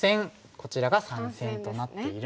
こちらが三線となっているんですが。